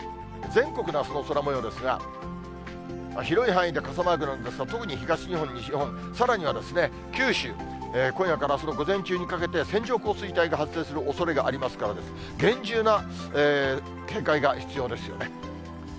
全国のあすの空もようですが、広い範囲で傘マークなんですが、特に東日本、西日本、さらには九州、今夜からあすの午前中にかけて線状降水帯が発生するおそれがありますから、厳重な警戒が必要ですよね。